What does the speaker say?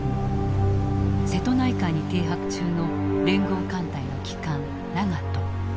瀬戸内海に停泊中の聯合艦隊の旗艦長門。